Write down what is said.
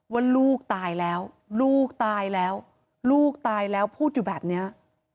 ว่าลูกตายแล้วลูกตายแล้วลูกตายแล้วพูดอยู่แบบเนี้ย